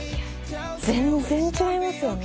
全然違いますよね。